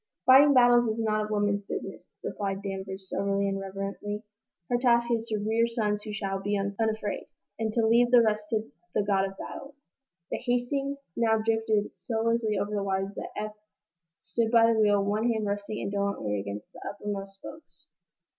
"Fighting battles is not a woman's business," replied Danvers, soberly and reverently. "Her task is to rear sons who shall be unafraid, and to leave the rest to the God of Battles." The "Hastings" now drifted so lazily over the waters that Eph stood by the wheel, one hand resting indolently against the uppermost spokes.